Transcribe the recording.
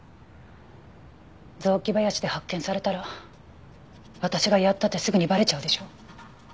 雑木林で発見されたら私がやったってすぐにバレちゃうでしょ。